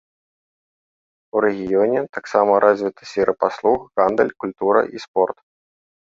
У рэгіёне таксама развіта сфера паслуг, гандаль, культура і спорт.